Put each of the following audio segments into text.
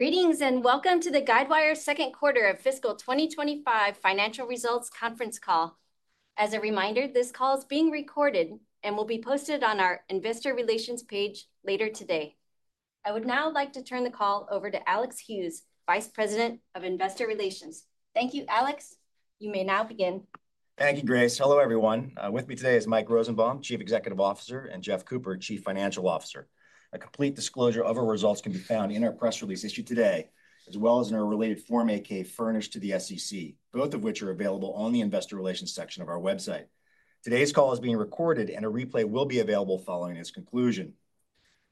Greetings and welcome to the Guidewire Second Quarter of Fiscal 2025 Financial Results Conference Call. As a reminder, this call is being recorded and will be posted on our investor relations page later today. I would now like to turn the call over to Alex Hughes, Vice President of Investor Relations. Thank you, Alex. You may now begin. Thank you, Grace. Hello, everyone. With me today is Mike Rosenbaum, Chief Executive Officer, and Jeff Cooper, Chief Financial Officer. A complete disclosure of our results can be found in our press release issued today, as well as in our related Form 8-K furnished to the SEC, both of which are available on the investor relations section of our website. Today's call is being recorded, and a replay will be available following its conclusion.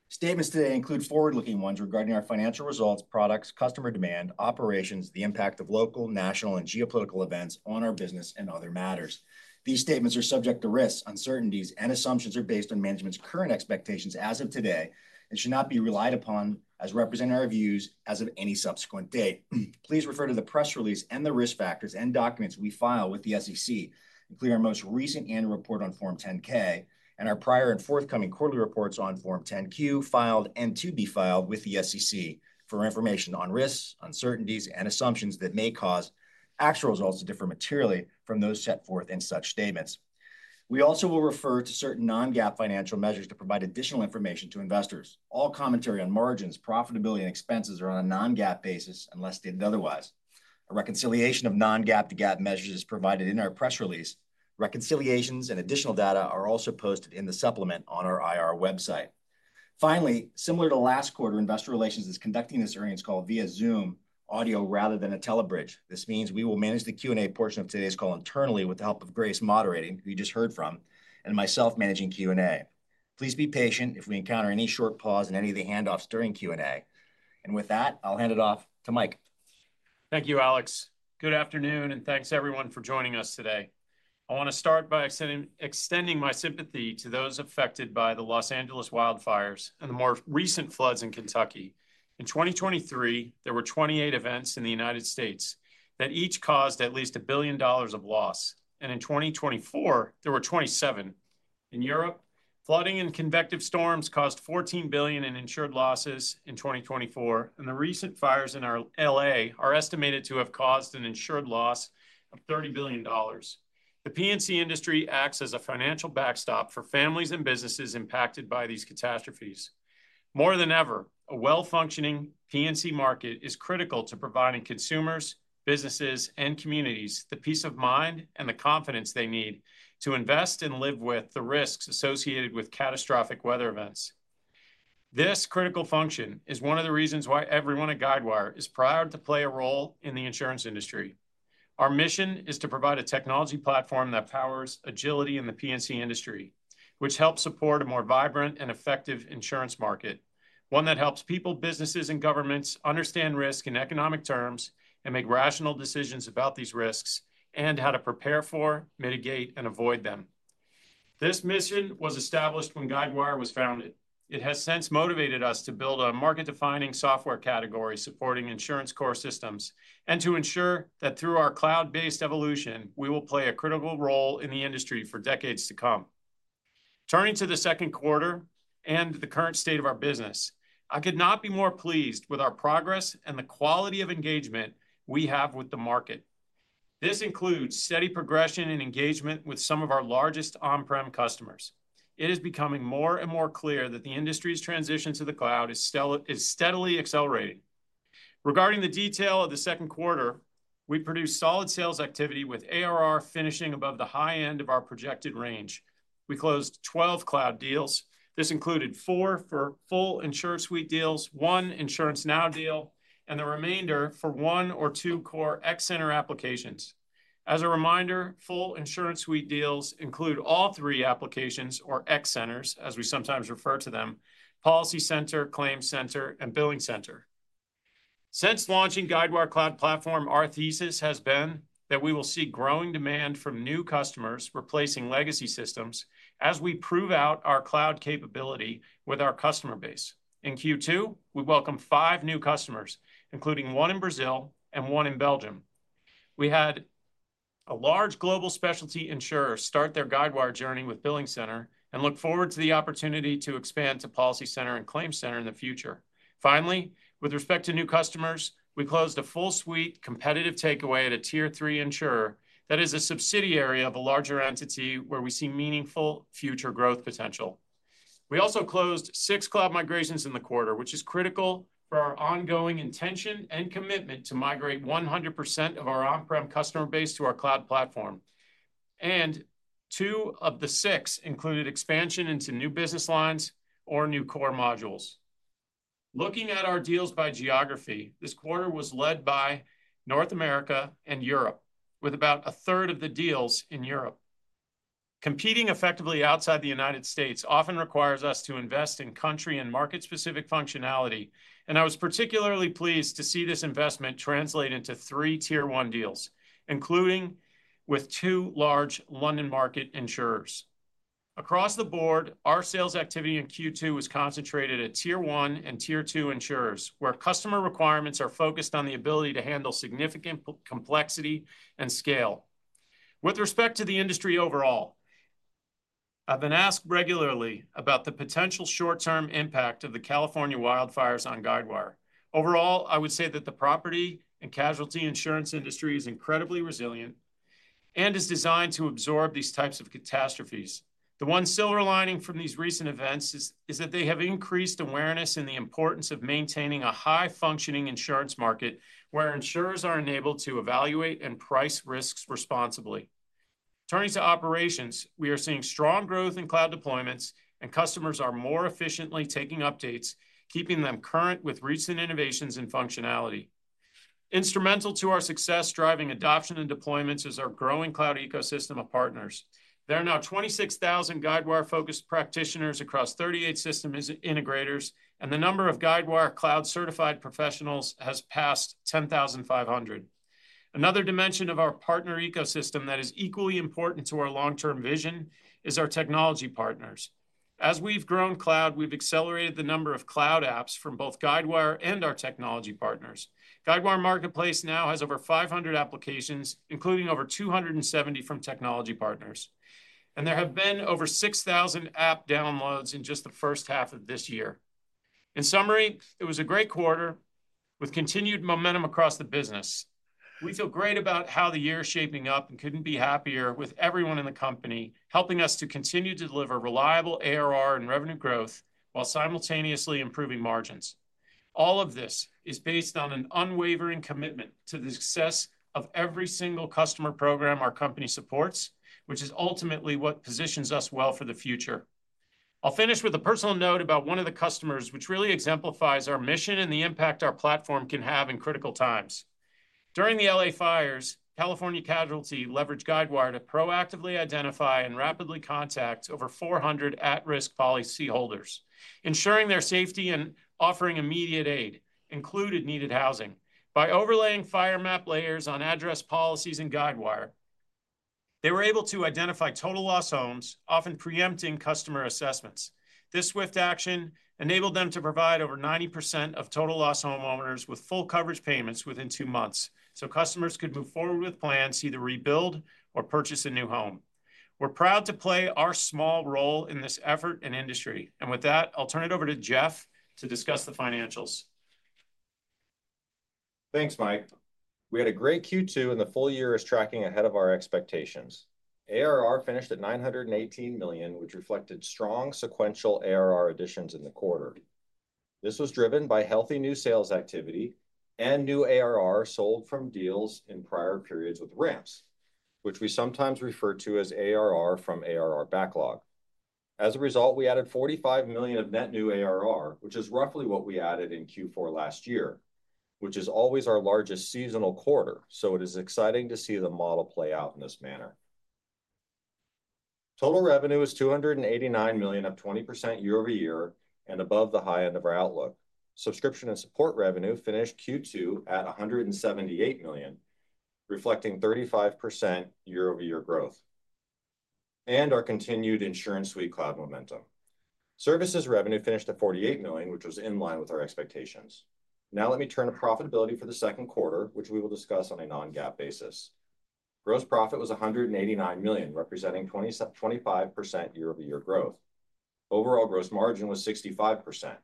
Statements today include forward-looking ones regarding our financial results, products, customer demand, operations, the impact of local, national, and geopolitical events on our business, and other matters. These statements are subject to risks, uncertainties, and assumptions that are based on management's current expectations as of today and should not be relied upon as representing our views as of any subsequent date. Please refer to the press release and the risk factors and documents we file with the SEC, including our most recent annual report on Form 10-K and our prior and forthcoming quarterly reports on Form 10-Q filed and to be filed with the SEC for information on risks, uncertainties, and assumptions that may cause actual results to differ materially from those set forth in such statements. We also will refer to certain Non-GAAP financial measures to provide additional information to investors. All commentary on margins, profitability, and expenses are on a Non-GAAP basis unless stated otherwise. A reconciliation of Non-GAAP to GAAP measures is provided in our press release. Reconciliations and additional data are also posted in the supplement on our IR website. Finally, similar to last quarter, investor relations is conducting this earnings call via Zoom audio rather than a telebridge. This means we will manage the Q&A portion of today's call internally with the help of Grace moderating, who you just heard from, and myself managing Q&A. Please be patient if we encounter any short pause in any of the handoffs during Q&A. And with that, I'll hand it off to Mike. Thank you, Alex. Good afternoon, and thanks, everyone, for joining us today. I want to start by extending my sympathy to those affected by the Los Angeles wildfires and the more recent floods in Kentucky. In 2023, there were 28 events in the United States that each caused at least $1 billion of loss, and in 2024, there were 27. In Europe, flooding and convective storms caused $14 billion in insured losses in 2024, and the recent fires in LA are estimated to have caused an insured loss of $30 billion. The P&C industry acts as a financial backstop for families and businesses impacted by these catastrophes. More than ever, a well-functioning P&C market is critical to providing consumers, businesses, and communities the peace of mind and the confidence they need to invest and live with the risks associated with catastrophic weather events. This critical function is one of the reasons why everyone at Guidewire is proud to play a role in the insurance industry. Our mission is to provide a technology platform that powers agility in the P&C industry, which helps support a more vibrant and effective insurance market, one that helps people, businesses, and governments understand risk in economic terms and make rational decisions about these risks and how to prepare for, mitigate, and avoid them. This mission was established when Guidewire was founded. It has since motivated us to build a market-defining software category supporting insurance core systems and to ensure that through our cloud-based evolution, we will play a critical role in the industry for decades to come. Turning to the second quarter and the current state of our business, I could not be more pleased with our progress and the quality of engagement we have with the market. This includes steady progression and engagement with some of our largest on-prem customers. It is becoming more and more clear that the industry's transition to the cloud is steadily accelerating. Regarding the detail of the second quarter, we produced solid sales activity with ARR finishing above the high end of our projected range. We closed 12 cloud deals. This included four for full InsuranceSuite deals, one InsuranceNow deal, and the remainder for one or two core XCenter applications. As a reminder, full InsuranceSuite deals include all three applications, or XCenters, as we sometimes refer to them: PolicyCenter, ClaimCenter, and BillingCenter. Since launching Guidewire Cloud Platform, our thesis has been that we will see growing demand from new customers replacing legacy systems as we prove out our cloud capability with our customer base. In Q2, we welcomed five new customers, including one in Brazil and one in Belgium. We had a large global specialty insurer start their Guidewire journey with BillingCenter and look forward to the opportunity to expand to PolicyCenter and ClaimCenter in the future. Finally, with respect to new customers, we closed a full suite competitive takeaway at a tier three insurer that is a subsidiary of a larger entity where we see meaningful future growth potential. We also closed six cloud migrations in the quarter, which is critical for our ongoing intention and commitment to migrate 100% of our on-prem customer base to our cloud platform, and two of the six included expansion into new business lines or new core modules. Looking at our deals by geography, this quarter was led by North America and Europe, with about 1/3 of the deals in Europe. Competing effectively outside the United States often requires us to invest in country and market-specific functionality, and I was particularly pleased to see this investment translate into three tier one deals, including with two large London Market insurers. Across the board, our sales activity in Q2 was concentrated at tier one and tier two insurers, where customer requirements are focused on the ability to handle significant complexity and scale. With respect to the industry overall, I've been asked regularly about the potential short-term impact of the California wildfires on Guidewire. Overall, I would say that the property and casualty insurance industry is incredibly resilient and is designed to absorb these types of catastrophes. The one silver lining from these recent events is that they have increased awareness in the importance of maintaining a high-functioning insurance market where insurers are enabled to evaluate and price risks responsibly. Turning to operations, we are seeing strong growth in cloud deployments, and customers are more efficiently taking updates, keeping them current with recent innovations and functionality. Instrumental to our success, driving adoption and deployments, is our growing cloud ecosystem of partners. There are now 26,000 Guidewire-focused practitioners across 38 system integrators, and the number of Guidewire Cloud-certified professionals has passed 10,500. Another dimension of our partner ecosystem that is equally important to our long-term vision is our technology partners. As we've grown cloud, we've accelerated the number of cloud apps from both Guidewire and our technology partners. Guidewire Marketplace now has over 500 applications, including over 270 from technology partners. And there have been over 6,000 app downloads in just the first half of this year. In summary, it was a great quarter with continued momentum across the business. We feel great about how the year is shaping up and couldn't be happier with everyone in the company helping us to continue to deliver reliable ARR and revenue growth while simultaneously improving margins. All of this is based on an unwavering commitment to the success of every single customer program our company supports, which is ultimately what positions us well for the future. I'll finish with a personal note about one of the customers, which really exemplifies our mission and the impact our platform can have in critical times. During the LA fires, California Casualty leveraged Guidewire to proactively identify and rapidly contact over 400 at-risk policyholders, ensuring their safety and offering immediate aid, including needed housing. By overlaying fire map layers on addressed policies in Guidewire, they were able to identify total loss homes, often preempting customer assessments. This swift action enabled them to provide over 90% of total loss homeowners with full coverage payments within two months, so customers could move forward with plans, either rebuild or purchase a new home. We're proud to play our small role in this effort and industry. And with that, I'll turn it over to Jeff to discuss the financials. Thanks, Mike. We had a great Q2, and the full year is tracking ahead of our expectations. ARR finished at $918 million, which reflected strong sequential ARR additions in the quarter. This was driven by healthy new sales activity and new ARR sold from deals in prior periods with ramps, which we sometimes refer to as ARR from ARR backlog. As a result, we added $45 million of net new ARR, which is roughly what we added in Q4 last year, which is always our largest seasonal quarter. So it is exciting to see the model play out in this manner. Total revenue is $289 million, up 20% year-over-year and above the high end of our outlook. Subscription and support revenue finished Q2 at $178 million, reflecting 35% year-over-year growth and our continued InsuranceSuite cloud momentum. Services revenue finished at $48 million, which was in line with our expectations. Now let me turn to profitability for the second quarter, which we will discuss on a Non-GAAP basis. Gross profit was $189 million, representing 25% year-over-year growth. Overall gross margin was 65%.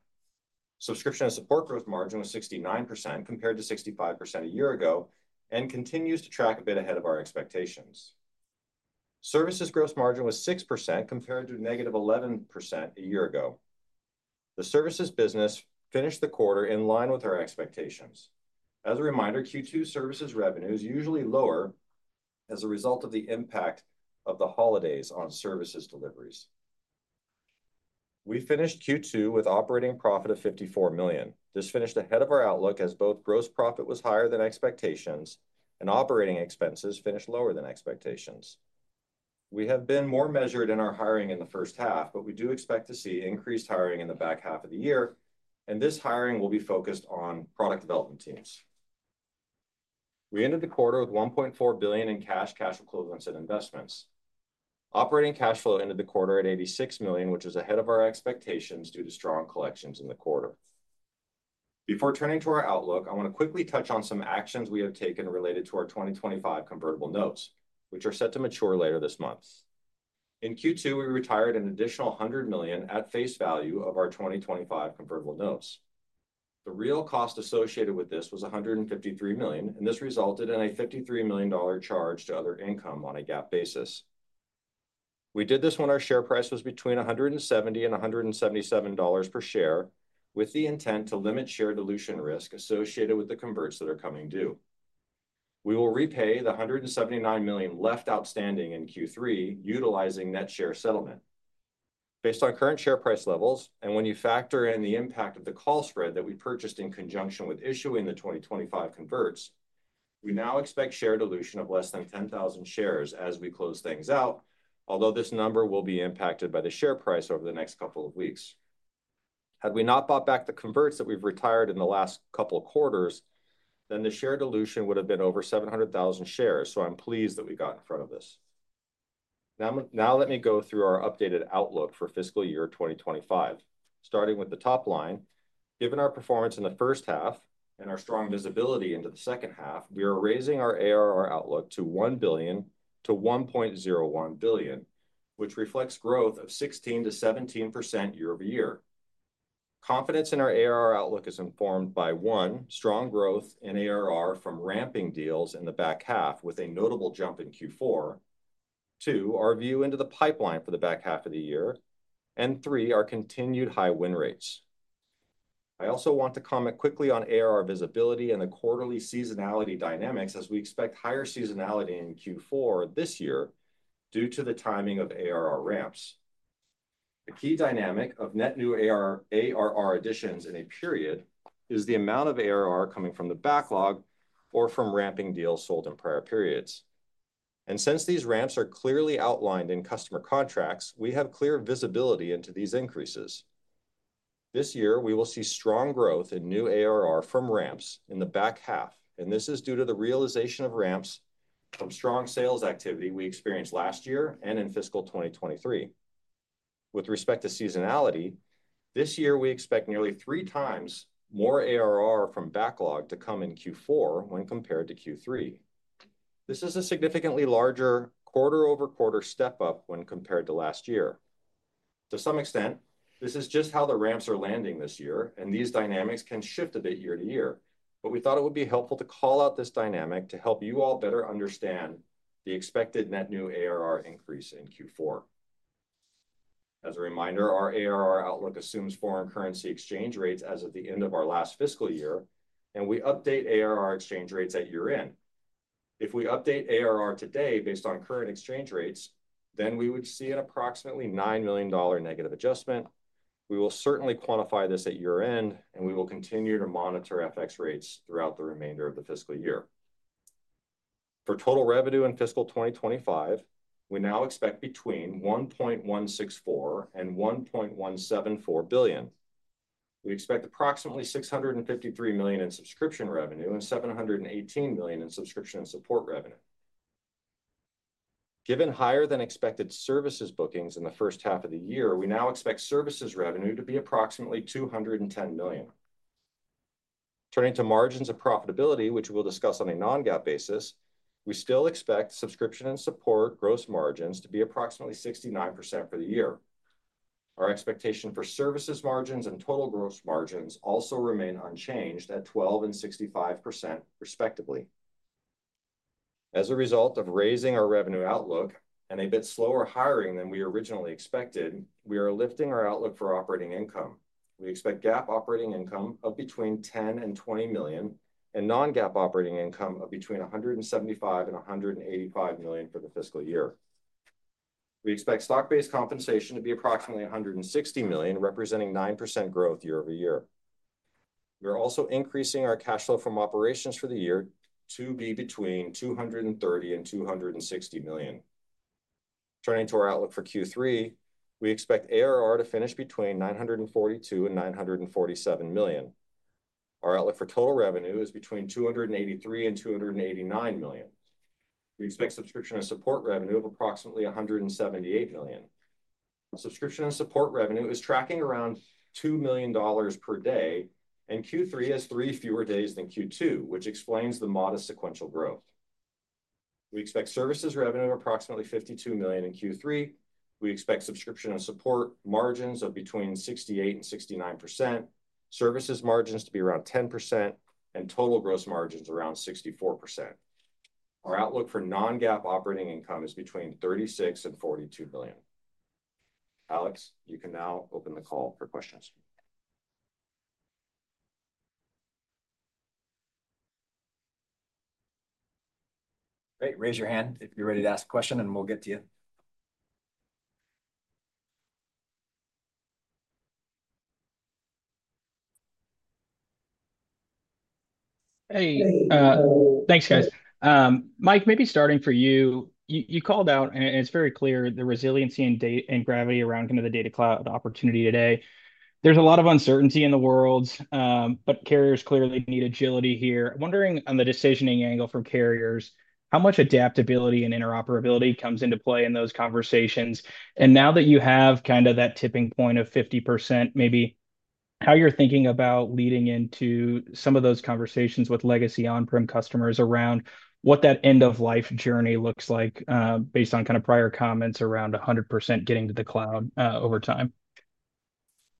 Subscription and support gross margin was 69% compared to 65% a year ago and continues to track a bit ahead of our expectations. Services gross margin was 6% compared to -11% a year ago. The services business finished the quarter in line with our expectations. As a reminder, Q2 services revenue is usually lower as a result of the impact of the holidays on services deliveries. We finished Q2 with operating profit of $54 million. This finished ahead of our outlook as both gross profit was higher than expectations and operating expenses finished lower than expectations. We have been more measured in our hiring in the first half, but we do expect to see increased hiring in the back half of the year, and this hiring will be focused on product development teams. We ended the quarter with $1.4 billion in cash, cash equivalents, and investments. Operating cash flow ended the quarter at $86 million, which is ahead of our expectations due to strong collections in the quarter. Before turning to our outlook, I want to quickly touch on some actions we have taken related to our 2025 convertible notes, which are set to mature later this month. In Q2, we retired an additional $100 million at face value of our 2025 convertible notes. The real cost associated with this was $153 million, and this resulted in a $53 million charge to other income on a GAAP basis. We did this when our share price was between $170-$177 per share with the intent to limit share dilution risk associated with the converts that are coming due. We will repay the $179 million left outstanding in Q3 utilizing net share settlement. Based on current share price levels and when you factor in the impact of the call spread that we purchased in conjunction with issuing the 2025 converts, we now expect share dilution of less than 10,000 shares as we close things out, although this number will be impacted by the share price over the next couple of weeks. Had we not bought back the converts that we've retired in the last couple of quarters, then the share dilution would have been over 700,000 shares. So I'm pleased that we got in front of this. Now let me go through our updated outlook for fiscal year 2025. Starting with the top line, given our performance in the first half and our strong visibility into the second half, we are raising our ARR outlook to $1 billion-$1.01 billion, which reflects growth of 16%-17% year-over-year. Confidence in our ARR outlook is informed by, one, strong growth in ARR from ramping deals in the back half with a notable jump in Q4, two, our view into the pipeline for the back half of the year, and three, our continued high win rates. I also want to comment quickly on ARR visibility and the quarterly seasonality dynamics as we expect higher seasonality in Q4 this year due to the timing of ARR ramps. The key dynamic of net new ARR additions in a period is the amount of ARR coming from the backlog or from ramping deals sold in prior periods. And since these ramps are clearly outlined in customer contracts, we have clear visibility into these increases. This year, we will see strong growth in new ARR from ramps in the back half, and this is due to the realization of ramps from strong sales activity we experienced last year and in fiscal 2023. With respect to seasonality, this year, we expect nearly three times more ARR from backlog to come in Q4 when compared to Q3. This is a significantly larger quarter-over-quarter step up when compared to last year. To some extent, this is just how the ramps are landing this year, and these dynamics can shift a bit year to year. But we thought it would be helpful to call out this dynamic to help you all better understand the expected net new ARR increase in Q4. As a reminder, our ARR outlook assumes foreign currency exchange rates as of the end of our last fiscal year, and we update ARR exchange rates at year-end. If we update ARR today based on current exchange rates, then we would see an approximately $9 million negative adjustment. We will certainly quantify this at year-end, and we will continue to monitor FX rates throughout the remainder of the fiscal year. For total revenue in fiscal 2025, we now expect between $1.164 billion and $1.174 billion. We expect approximately $653 million in subscription revenue and $718 million in subscription and support revenue. Given higher-than-expected services bookings in the first half of the year, we now expect services revenue to be approximately $210 million. Turning to margins of profitability, which we'll discuss on a Non-GAAP basis, we still expect subscription and support gross margins to be approximately 69% for the year. Our expectation for services margins and total gross margins also remain unchanged at 12% and 65%, respectively. As a result of raising our revenue outlook and a bit slower hiring than we originally expected, we are lifting our outlook for operating income. We expect GAAP operating income of between $10 million-$20 million and Non-GAAP operating income of between $175 million-$185 million for the fiscal year. We expect stock-based compensation to be approximately $160 million, representing 9% growth year-over-year. We are also increasing our cash flow from operations for the year to be between $230 million-$260 million. Turning to our outlook for Q3, we expect ARR to finish between $942 million-$947 million. Our outlook for total revenue is between $283 million-$289 million. We expect subscription and support revenue of approximately $178 million. Subscription and support revenue is tracking around $2 million per day, and Q3 has three fewer days than Q2, which explains the modest sequential growth. We expect services revenue of approximately $52 million in Q3. We expect subscription and support margins of between 68%-69%, services margins to be around 10%, and total gross margins around 64%. Our outlook for Non-GAAP operating income is between $36 million-$42 million. Alex, you can now open the call for questions. Great. Raise your hand if you're ready to ask a question, and we'll get to you. Hey. Hey. Thanks, guys. Mike, maybe starting for you. You called out, and it's very clear the resiliency and gravity around kind of the data cloud opportunity today. There's a lot of uncertainty in the world, but carriers clearly need agility here. Wondering on the decisioning angle for carriers, how much adaptability and interoperability comes into play in those conversations? And now that you have kind of that tipping point of 50%, maybe how you're thinking about leading into some of those conversations with legacy on-prem customers around what that end-of-life journey looks like based on kind of prior comments around 100% getting to the cloud over time?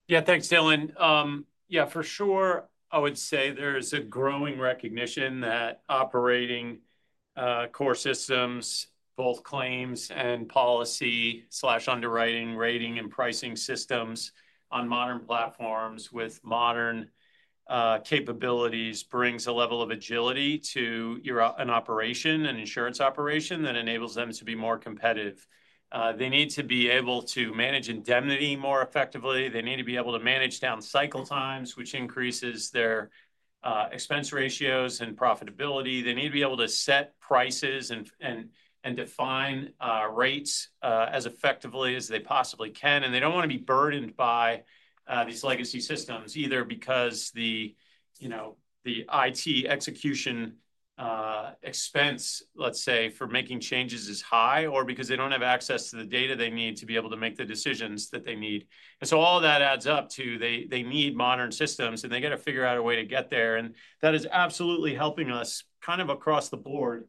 Yeah, thanks, Dylan. Yeah, for sure, I would say there is a growing recognition that operating core systems, both claims and policy/underwriting, rating, and pricing systems on modern platforms with modern capabilities brings a level of agility to an operation, an insurance operation that enables them to be more competitive. They need to be able to manage indemnity more effectively. They need to be able to manage down cycle times, which increases their expense ratios and profitability. They need to be able to set prices and define rates as effectively as they possibly can. And they don't want to be burdened by these legacy systems, either because the IT execution expense, let's say, for making changes is high, or because they don't have access to the data they need to be able to make the decisions that they need. And so all of that adds up to they need modern systems, and they got to figure out a way to get there. And that is absolutely helping us kind of across the board.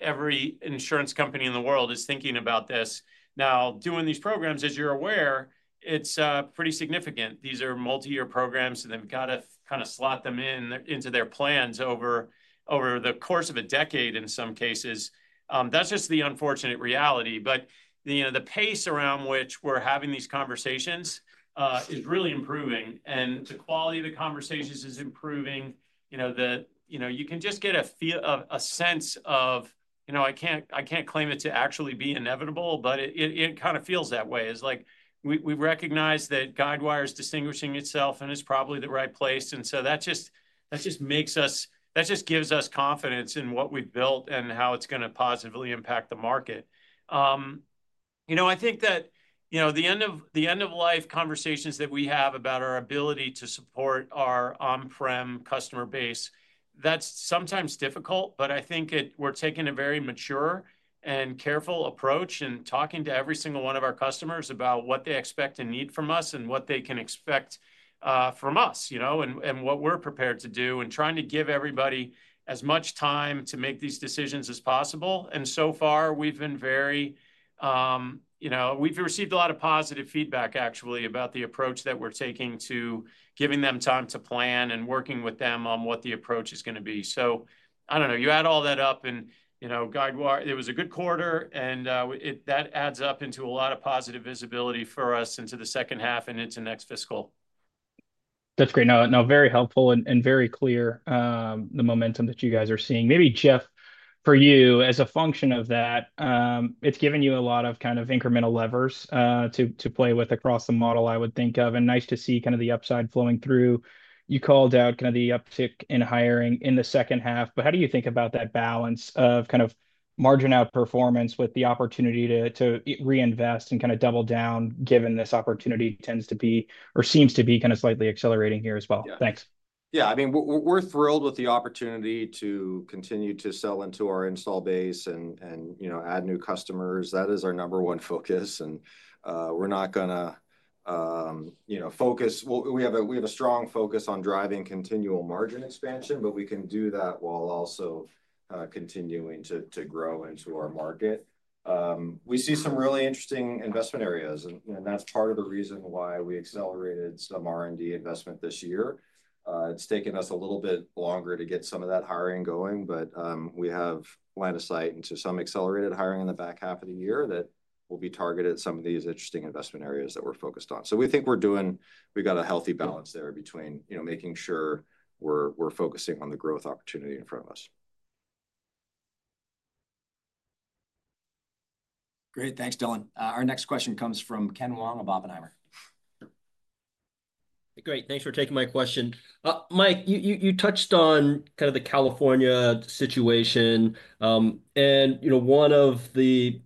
Every insurance company in the world is thinking about this. Now, doing these programs, as you're aware, it's pretty significant. These are multi-year programs, and they've got to kind of slot them into their plans over the course of a decade in some cases. That's just the unfortunate reality. But the pace around which we're having these conversations is really improving, and the quality of the conversations is improving. You can just get a sense of, I can't claim it to actually be inevitable, but it kind of feels that way. It's like we recognize that Guidewire is distinguishing itself, and it's probably the right place. And so that just gives us confidence in what we've built and how it's going to positively impact the market. I think that the end-of-life conversations that we have about our ability to support our on-prem customer base, that's sometimes difficult, but I think we're taking a very mature and careful approach in talking to every single one of our customers about what they expect and need from us and what they can expect from us and what we're prepared to do and trying to give everybody as much time to make these decisions as possible. And so far, we've received a lot of positive feedback, actually, about the approach that we're taking to giving them time to plan and working with them on what the approach is going to be. So I don't know. You add all that up, and Guidewire, it was a good quarter, and that adds up into a lot of positive visibility for us into the second half and into next fiscal. That's great. Now, very helpful and very clear, the momentum that you guys are seeing. Maybe, Jeff, for you, as a function of that, it's given you a lot of kind of incremental levers to play with across the model, I would think of. And nice to see kind of the upside flowing through. You called out kind of the uptick in hiring in the second half. But how do you think about that balance of kind of margin out performance with the opportunity to reinvest and kind of double down given this opportunity tends to be or seems to be kind of slightly accelerating here as well? Thanks. Yeah. I mean, we're thrilled with the opportunity to continue to sell into our installed base and add new customers. That is our number one focus. And we're not going to. We have a strong focus on driving continual margin expansion, but we can do that while also continuing to grow into our market. We see some really interesting investment areas, and that's part of the reason why we accelerated some R&D investment this year. It's taken us a little bit longer to get some of that hiring going, but we have line of sight into some accelerated hiring in the back half of the year that will be targeted at some of these interesting investment areas that we're focused on. So we think we've got a healthy balance there between making sure we're focusing on the growth opportunity in front of us. Great. Thanks, Dylan. Our next question comes from Ken Wong of Oppenheimer. Great. Thanks for taking my question. Mike, you touched on kind of the California situation. And one of the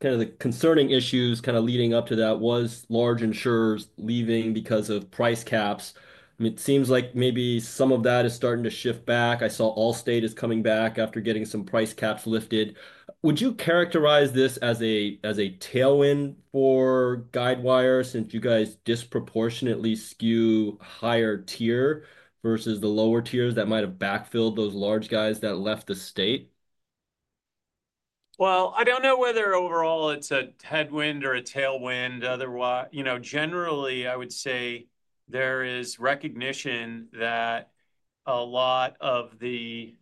kind of concerning issues kind of leading up to that was large insurers leaving because of price caps. I mean, it seems like maybe some of that is starting to shift back. I saw Allstate is coming back after getting some price caps lifted. Would you characterize this as a tailwind for Guidewire since you guys disproportionately skew higher tier versus the lower tiers that might have backfilled those large guys that left the state? I don't know whether overall it's a headwind or a tailwind. Generally, I would say there is recognition that a lot of the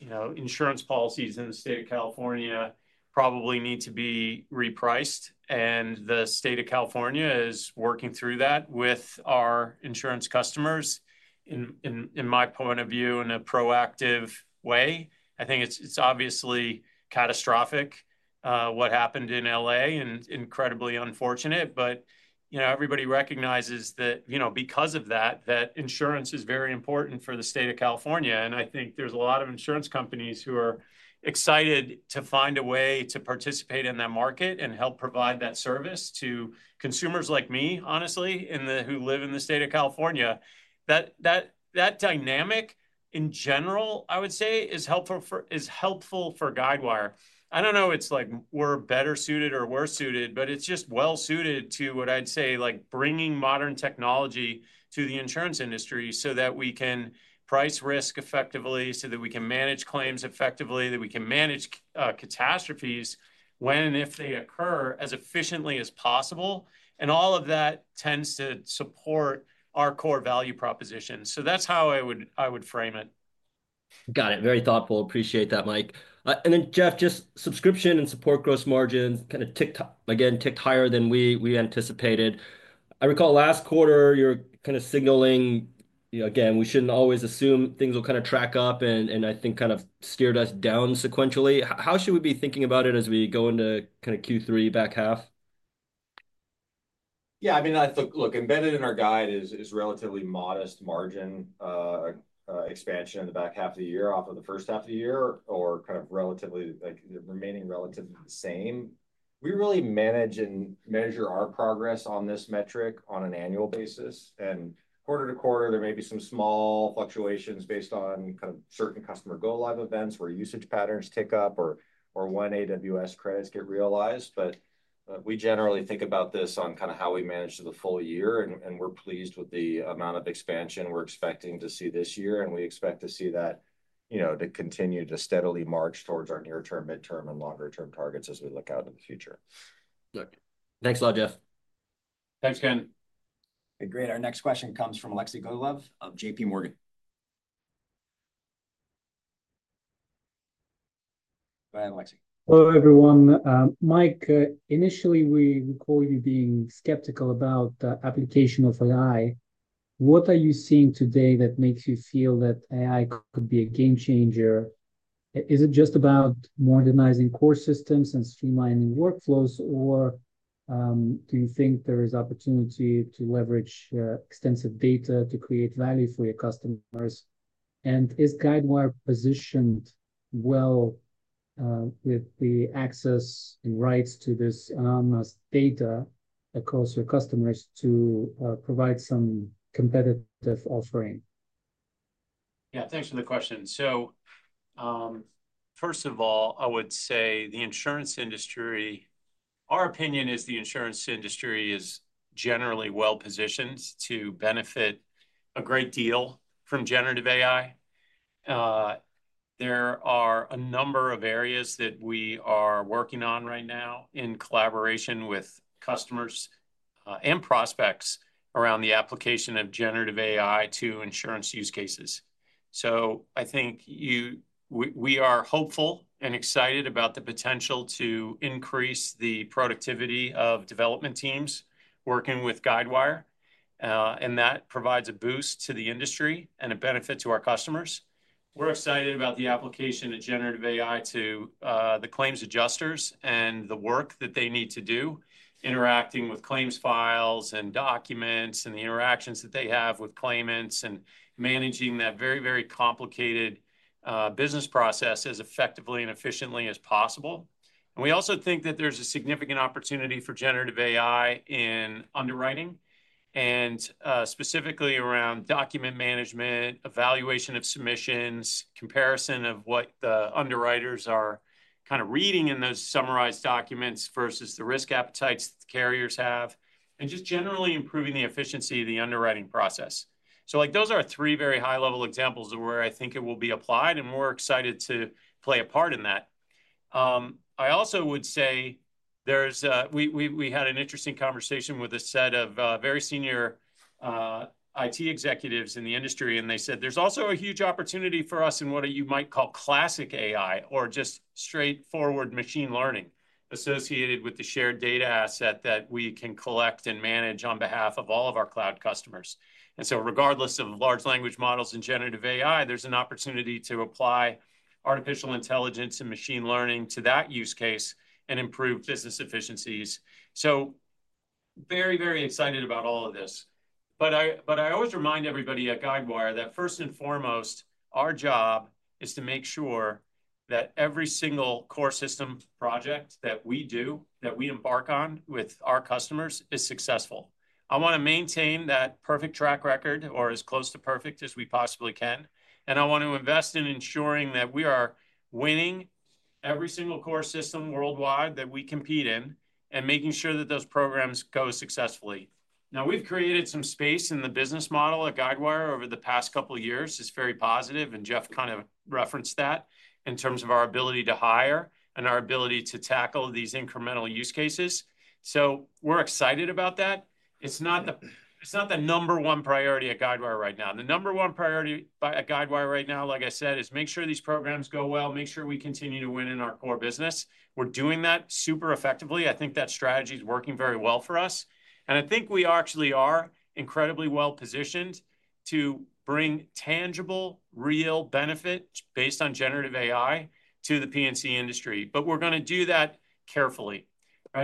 insurance policies in the state of California probably need to be repriced. And the state of California is working through that with our insurance customers, in my point of view, in a proactive way. I think it's obviously catastrophic what happened in LA and incredibly unfortunate. But everybody recognizes that because of that, that insurance is very important for the state of California. And I think there's a lot of insurance companies who are excited to find a way to participate in that market and help provide that service to consumers like me, honestly, who live in the state of California. That dynamic, in general, I would say, is helpful for Guidewire. I don't know if it's like we're better suited or we're suited, but it's just well-suited to what I'd say like bringing modern technology to the insurance industry so that we can price risk effectively, so that we can manage claims effectively, that we can manage catastrophes when and if they occur as efficiently as possible. And all of that tends to support our core value proposition. So that's how I would frame it. Got it. Very thoughtful. Appreciate that, Mike. And then, Jeff, just subscription and support gross margins kind of, again, ticked higher than we anticipated. I recall last quarter, you're kind of signaling, again, we shouldn't always assume things will kind of track up, and I think kind of steered us down sequentially. How should we be thinking about it as we go into kind of Q3, back half? Yeah. I mean, look, embedded in our guide is relatively modest margin expansion in the back half of the year off of the first half of the year or kind of remaining relatively the same. We really manage and measure our progress on this metric on an annual basis. And quarter to quarter, there may be some small fluctuations based on kind of certain customer go-live events where usage patterns tick up or when AWS credits get realized. But we generally think about this on kind of how we manage the full year. And we're pleased with the amount of expansion we're expecting to see this year. And we expect to see that to continue to steadily march towards our near-term, midterm, and longer-term targets as we look out in the future. Good. Thanks a lot, Jeff. Thanks, Ken. Great. Our next question comes from Alexei Gogolev of JPMorgan. Go ahead, Alexei. Hello, everyone. Mike, initially, we recall you being skeptical about the application of AI. What are you seeing today that makes you feel that AI could be a game changer? Is it just about modernizing core systems and streamlining workflows, or do you think there is opportunity to leverage extensive data to create value for your customers, and is Guidewire positioned well with the access and rights to this anonymous data across your customers to provide some competitive offering? Yeah. Thanks for the question. So first of all, I would say the insurance industry, our opinion is the insurance industry is generally well-positioned to benefit a great deal from generative AI. There are a number of areas that we are working on right now in collaboration with customers and prospects around the application of generative AI to insurance use cases. So I think we are hopeful and excited about the potential to increase the productivity of development teams working with Guidewire. And that provides a boost to the industry and a benefit to our customers. We're excited about the application of generative AI to the claims adjusters and the work that they need to do, interacting with claims files and documents and the interactions that they have with claimants and managing that very, very complicated business process as effectively and efficiently as possible. We also think that there's a significant opportunity for generative AI in underwriting, and specifically around document management, evaluation of submissions, comparison of what the underwriters are kind of reading in those summarized documents versus the risk appetites that the carriers have, and just generally improving the efficiency of the underwriting process. Those are three very high-level examples of where I think it will be applied, and we're excited to play a part in that. I also would say we had an interesting conversation with a set of very senior IT executives in the industry, and they said, "There's also a huge opportunity for us in what you might call classic AI or just straightforward machine learning associated with the shared data asset that we can collect and manage on behalf of all of our cloud customers." And so regardless of large language models and generative AI, there's an opportunity to apply artificial intelligence and machine learning to that use case and improve business efficiencies. So very, very excited about all of this. But I always remind everybody at Guidewire that first and foremost, our job is to make sure that every single core system project that we do, that we embark on with our customers, is successful. I want to maintain that perfect track record or as close to perfect as we possibly can. I want to invest in ensuring that we are winning every single core system worldwide that we compete in and making sure that those programs go successfully. Now, we've created some space in the business model at Guidewire over the past couple of years. It's very positive. Jeff kind of referenced that in terms of our ability to hire and our ability to tackle these incremental use cases. We're excited about that. It's not the number one priority at Guidewire right now. The number one priority at Guidewire right now, like I said, is make sure these programs go well, make sure we continue to win in our core business. We're doing that super effectively. I think that strategy is working very well for us. I think we actually are incredibly well-positioned to bring tangible, real benefit based on generative AI to the P&C industry. But we're going to do that carefully.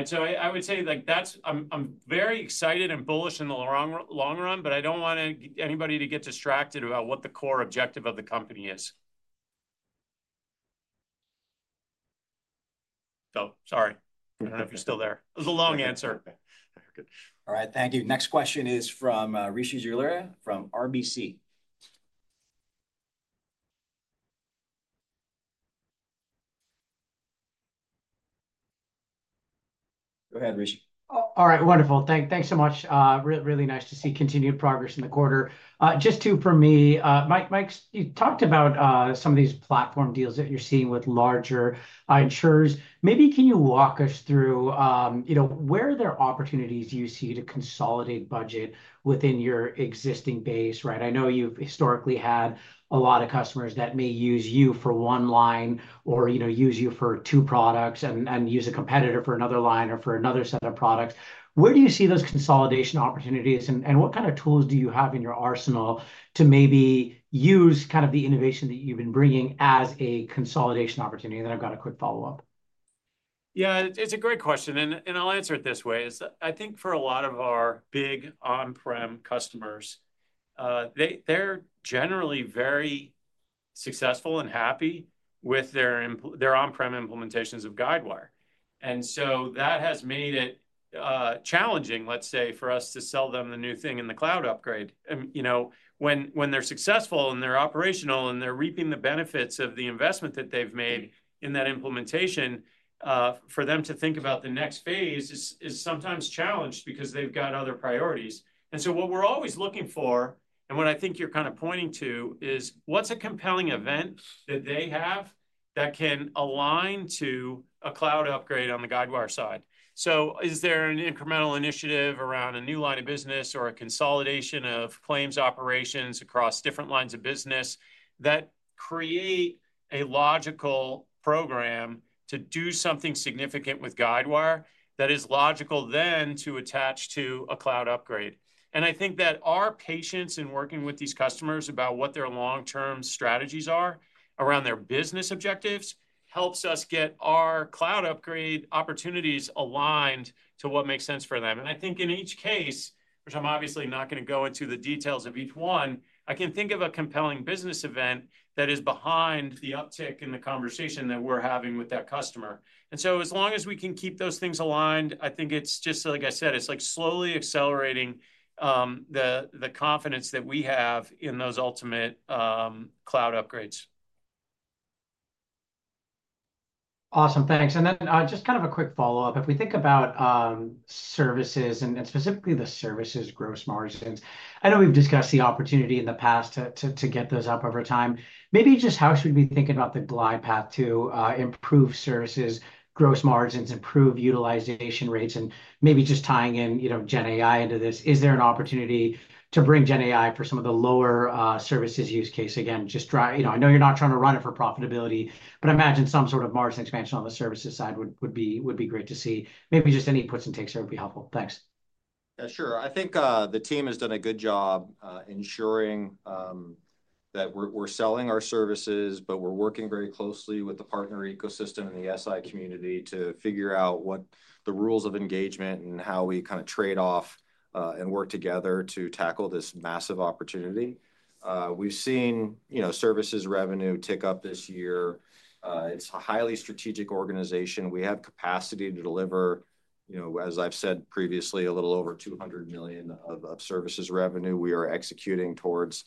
So I would say that I'm very excited and bullish in the long run, but I don't want anybody to get distracted about what the core objective of the company is. Oh, sorry. I don't know if you're still there. It was a long answer. All right. Thank you. Next question is from Rishi Jaluria from RBC. Go ahead, Rishi. All right. Wonderful. Thanks so much. Really nice to see continued progress in the quarter. Just two from me. Mike, you talked about some of these platform deals that you're seeing with larger insurers. Maybe can you walk us through where are there opportunities you see to consolidate budget within your existing base? I know you've historically had a lot of customers that may use you for one line or use you for two products and use a competitor for another line or for another set of products. Where do you see those consolidation opportunities, and what kind of tools do you have in your arsenal to maybe use kind of the innovation that you've been bringing as a consolidation opportunity? And then I've got a quick follow-up. Yeah. It's a great question. And I'll answer it this way. I think for a lot of our big on-prem customers, they're generally very successful and happy with their on-prem implementations of Guidewire. And so that has made it challenging, let's say, for us to sell them the new thing in the cloud upgrade. When they're successful and they're operational and they're reaping the benefits of the investment that they've made in that implementation, for them to think about the next phase is sometimes challenged because they've got other priorities. And so what we're always looking for, and what I think you're kind of pointing to, is what's a compelling event that they have that can align to a cloud upgrade on the Guidewire side? So, is there an incremental initiative around a new line of business or a consolidation of claims operations across different lines of business that create a logical program to do something significant with Guidewire that is logical then to attach to a cloud upgrade? And I think that our patience in working with these customers about what their long-term strategies are around their business objectives helps us get our cloud upgrade opportunities aligned to what makes sense for them. And I think in each case, which I'm obviously not going to go into the details of each one, I can think of a compelling business event that is behind the uptick in the conversation that we're having with that customer. And so as long as we can keep those things aligned, I think it's just, like I said, it's like slowly accelerating the confidence that we have in those ultimate cloud upgrades. Awesome. Thanks. And then just kind of a quick follow-up. If we think about services and specifically the services gross margins, I know we've discussed the opportunity in the past to get those up over time. Maybe just how should we be thinking about the glide path to improve services gross margins, improve utilization rates, and maybe just tying in GenAI into this? Is there an opportunity to bring GenAI for some of the lower services use case? Again, just I know you're not trying to run it for profitability, but I imagine some sort of margin expansion on the services side would be great to see. Maybe just any puts and takes there would be helpful. Thanks. Sure. I think the team has done a good job ensuring that we're selling our services, but we're working very closely with the partner ecosystem and the SI community to figure out what the rules of engagement and how we kind of trade off and work together to tackle this massive opportunity. We've seen services revenue tick up this year. It's a highly strategic organization. We have capacity to deliver, as I've said previously, a little over $200 million of services revenue. We are executing towards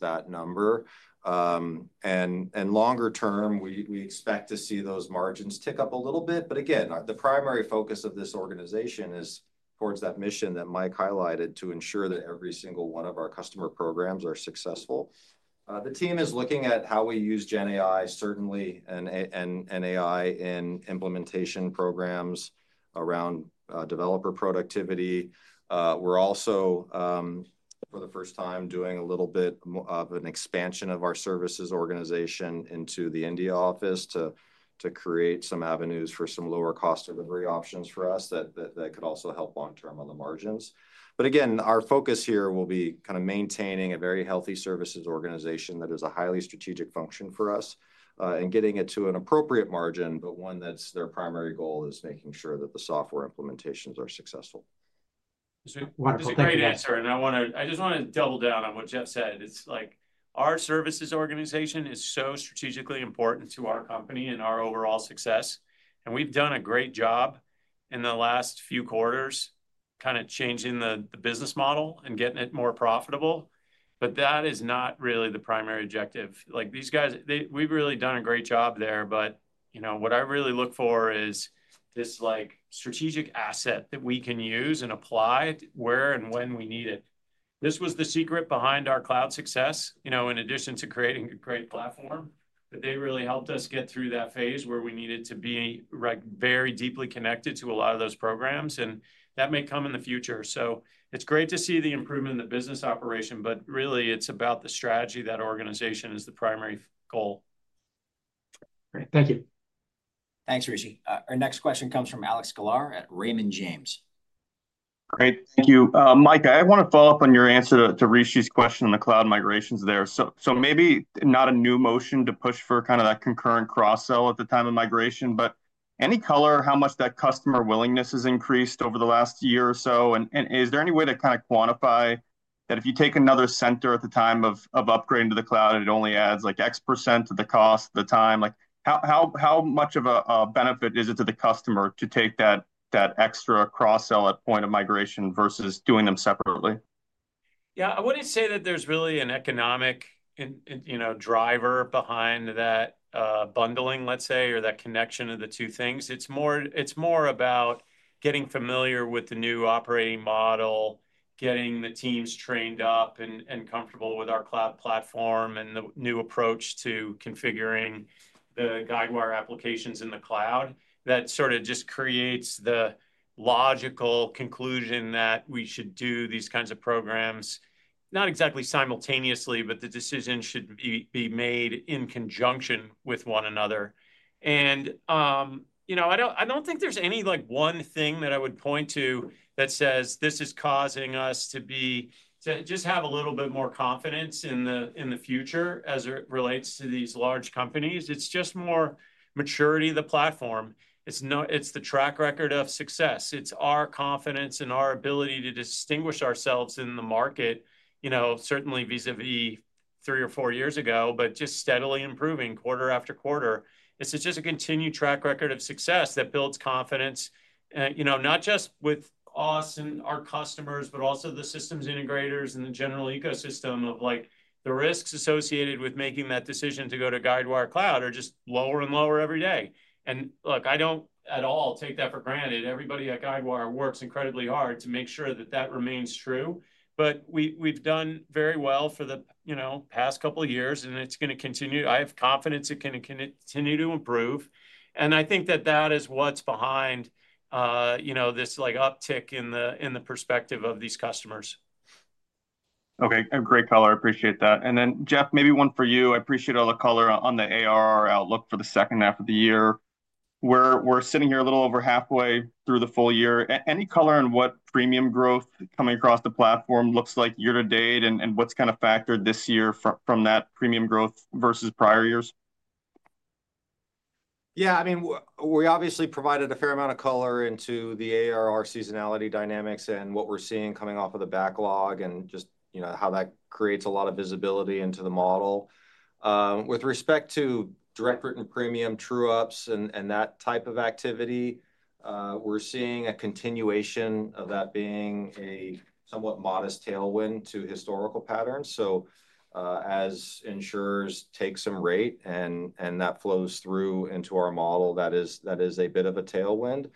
that number and, longer term, we expect to see those margins tick up a little bit but, again, the primary focus of this organization is towards that mission that Mike highlighted to ensure that every single one of our customer programs are successful. The team is looking at how we use GenAI, certainly, and AI in implementation programs around developer productivity. We're also, for the first time, doing a little bit of an expansion of our services organization into the India office to create some avenues for some lower cost delivery options for us that could also help long-term on the margins. But again, our focus here will be kind of maintaining a very healthy services organization that is a highly strategic function for us and getting it to an appropriate margin, but one that's their primary goal is making sure that the software implementations are successful. That's a great answer. And I just want to double down on what Jeff said. It's like our services organization is so strategically important to our company and our overall success. And we've done a great job in the last few quarters kind of changing the business model and getting it more profitable. But that is not really the primary objective. These guys, we've really done a great job there. But what I really look for is this strategic asset that we can use and apply where and when we need it. This was the secret behind our cloud success in addition to creating a great platform. But they really helped us get through that phase where we needed to be very deeply connected to a lot of those programs. And that may come in the future. So it's great to see the improvement in the business operation, but really, it's about the strategy that organization is the primary goal. Great. Thank you. Thanks, Rishi. Our next question comes from Alex Sklar at Raymond James. Great. Thank you. Mike, I want to follow up on your answer to Rishi's question on the cloud migrations there. So maybe not a new motion to push for kind of that concurrent cross-sell at the time of migration, but any color how much that customer willingness has increased over the last year or so? And is there any way to kind of quantify that if you take another center at the time of upgrading to the cloud, it only adds like X% to the cost at the time? How much of a benefit is it to the customer to take that extra cross-sell at point of migration versus doing them separately? Yeah. I wouldn't say that there's really an economic driver behind that bundling, let's say, or that connection of the two things. It's more about getting familiar with the new operating model, getting the teams trained up and comfortable with our cloud platform and the new approach to configuring the Guidewire applications in the cloud. That sort of just creates the logical conclusion that we should do these kinds of programs, not exactly simultaneously, but the decision should be made in conjunction with one another. And I don't think there's any one thing that I would point to that says this is causing us to just have a little bit more confidence in the future as it relates to these large companies. It's just more maturity of the platform. It's the track record of success. It's our confidence and our ability to distinguish ourselves in the market, certainly vis-à-vis three or four years ago, but just steadily improving quarter after quarter. It's just a continued track record of success that builds confidence, not just with us and our customers, but also the systems integrators and the general ecosystem of the risks associated with making that decision to go to Guidewire Cloud are just lower and lower every day. And look, I don't at all take that for granted. Everybody at Guidewire works incredibly hard to make sure that that remains true. But we've done very well for the past couple of years, and it's going to continue. I have confidence it can continue to improve. And I think that that is what's behind this uptick in the perspective of these customers. Okay. A great color. I appreciate that. And then, Jeff, maybe one for you. I appreciate all the color on the ARR outlook for the second half of the year. We're sitting here a little over halfway through the full year. Any color on what premium growth coming across the platform looks like year to date and what's kind of factored this year from that premium growth versus prior years? Yeah. I mean, we obviously provided a fair amount of color into the ARR seasonality dynamics and what we're seeing coming off of the backlog and just how that creates a lot of visibility into the model. With respect to direct written premium true-ups and that type of activity, we're seeing a continuation of that being a somewhat modest tailwind to historical patterns. So as insurers take some rate and that flows through into our model, that is a bit of a tailwind.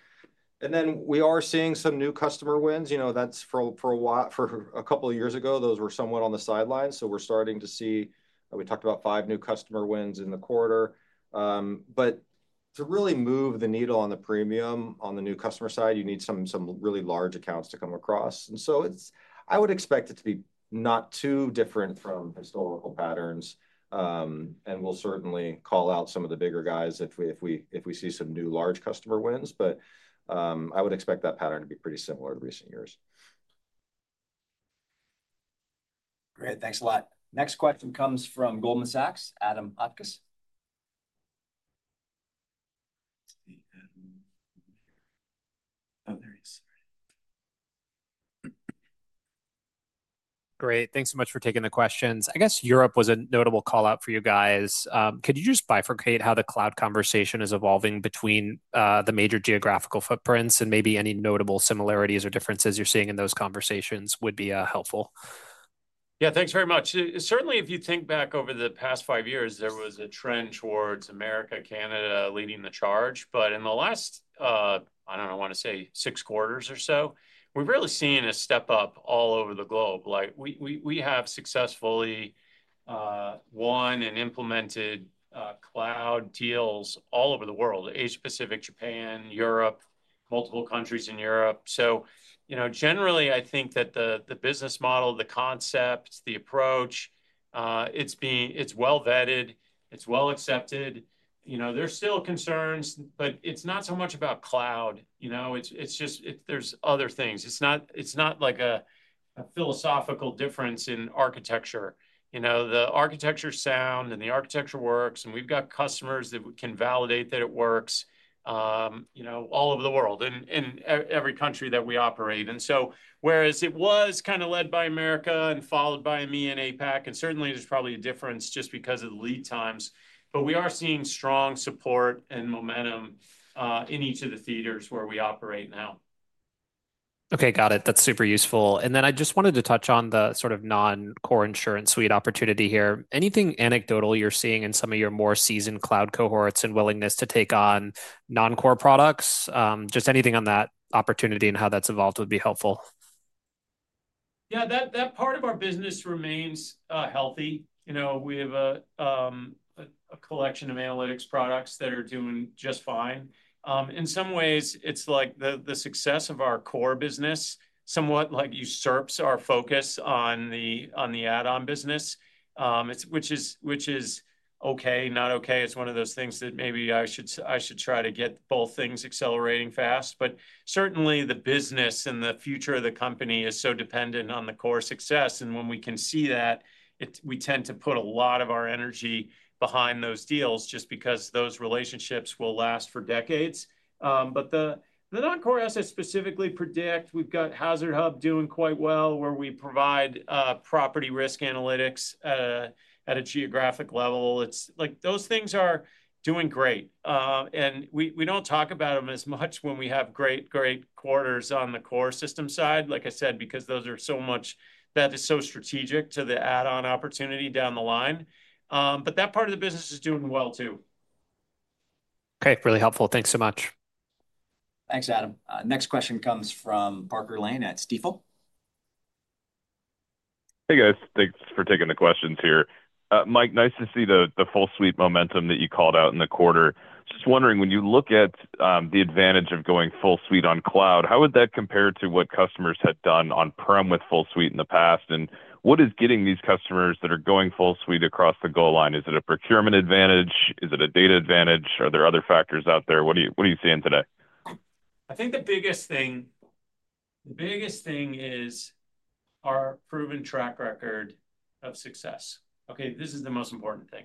And then we are seeing some new customer wins. For a couple of years ago, those were somewhat on the sidelines. So we're starting to see we talked about five new customer wins in the quarter. But to really move the needle on the premium on the new customer side, you need some really large accounts to come across. And so I would expect it to be not too different from historical patterns. And we'll certainly call out some of the bigger guys if we see some new large customer wins. But I would expect that pattern to be pretty similar to recent years. Great. Thanks a lot. Next question comes from Goldman Sachs, Adam Hotchkiss. Great. Thanks so much for taking the questions. I guess Europe was a notable callout for you guys. Could you just bifurcate how the cloud conversation is evolving between the major geographical footprints and maybe any notable similarities or differences you're seeing in those conversations would be helpful? Yeah. Thanks very much. Certainly, if you think back over the past five years, there was a trend towards America, Canada leading the charge. But in the last, I don't know, I want to say six quarters or so, we've really seen a step up all over the globe. We have successfully won and implemented cloud deals all over the world, Asia-Pacific, Japan, Europe, multiple countries in Europe. So generally, I think that the business model, the concept, the approach, it's well-vetted. It's well-accepted. There's still concerns, but it's not so much about cloud. It's just there's other things. It's not like a philosophical difference in architecture. The architecture sound and the architecture works. And we've got customers that can validate that it works all over the world and every country that we operate. And so whereas it was kind of led by America and followed by EMEA and APAC, and certainly, there's probably a difference just because of the lead times. But we are seeing strong support and momentum in each of the theaters where we operate now. Okay. Got it. That's super useful. And then I just wanted to touch on the sort of non-core InsuranceSuite opportunity here. Anything anecdotal you're seeing in some of your more seasoned cloud cohorts and willingness to take on non-core products? Just anything on that opportunity and how that's evolved would be helpful? Yeah. That part of our business remains healthy. We have a collection of analytics products that are doing just fine. In some ways, it's like the success of our core business somewhat usurps our focus on the add-on business, which is okay, not okay. It's one of those things that maybe I should try to get both things accelerating fast. But certainly, the business and the future of the company is so dependent on the core success. And when we can see that, we tend to put a lot of our energy behind those deals just because those relationships will last for decades. But the non-core assets specifically Predict we've got HazardHub doing quite well where we provide property risk analytics at a geographic level. Those things are doing great. And we don't talk about them as much when we have great, great quarters on the core system side, like I said, because those are so much that is so strategic to the add-on opportunity down the line. But that part of the business is doing well too. Okay. Really helpful. Thanks so much. Thanks, Adam. Next question comes from Parker Lane at Stifel. Hey, guys. Thanks for taking the questions here. Mike, nice to see the full suite momentum that you called out in the quarter. Just wondering, when you look at the advantage of going full suite on cloud, how would that compare to what customers had done on-prem with full suite in the past? And what is getting these customers that are going full suite across the goal line? Is it a procurement advantage? Is it a data advantage? Are there other factors out there? What are you seeing today? I think the biggest thing is our proven track record of success. Okay. This is the most important thing.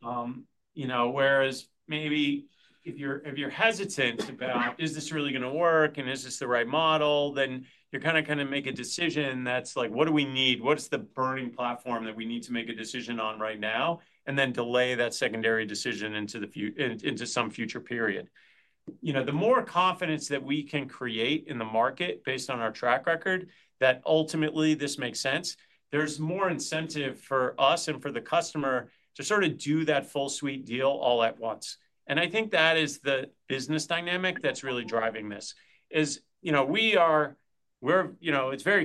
Whereas maybe if you're hesitant about, "Is this really going to work? And is this the right model?" Then you're kind of trying to make a decision that's like, "What do we need? What's the burning platform that we need to make a decision on right now?" And then delay that secondary decision into some future period. The more confidence that we can create in the market based on our track record that ultimately this makes sense, there's more incentive for us and for the customer to sort of do that full suite deal all at once. And I think that is the business dynamic that's really driving this. It's very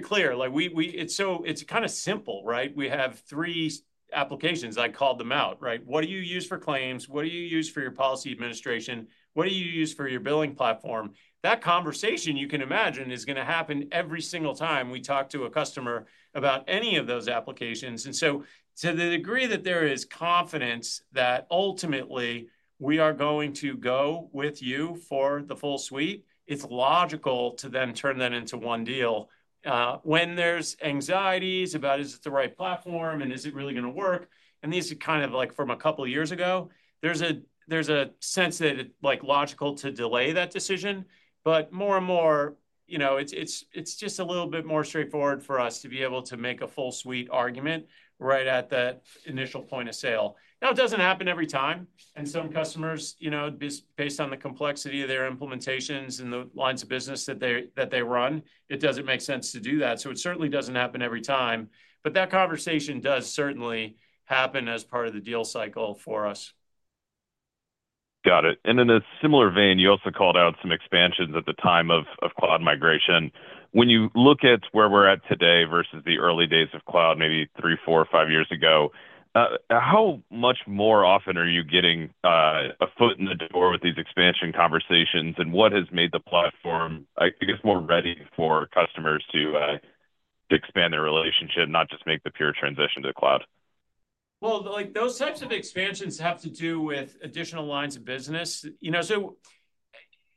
clear. It's kind of simple, right? We have three applications. I called them out, right? What do you use for claims? What do you use for your policy administration? What do you use for your billing platform? That conversation, you can imagine, is going to happen every single time we talk to a customer about any of those applications. And so to the degree that there is confidence that ultimately we are going to go with you for the full suite, it's logical to then turn that into one deal. When there's anxieties about, "Is it the right platform? And is it really going to work?" And these are kind of like from a couple of years ago, there's a sense that it's logical to delay that decision. But more and more, it's just a little bit more straightforward for us to be able to make a full suite argument right at that initial point of sale. Now, it doesn't happen every time. And some customers, based on the complexity of their implementations and the lines of business that they run, it doesn't make sense to do that. So it certainly doesn't happen every time. But that conversation does certainly happen as part of the deal cycle for us. Got it. And in a similar vein, you also called out some expansions at the time of cloud migration. When you look at where we're at today versus the early days of cloud, maybe three, four, five years ago, how much more often are you getting a foot in the door with these expansion conversations? And what has made the platform, I guess, more ready for customers to expand their relationship, not just make the pure transition to the cloud? Those types of expansions have to do with additional lines of business. So